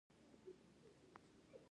رشتې په چل ول نه چلېږي